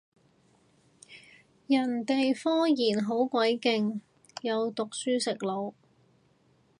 人哋科研好鬼勁，有讀書食腦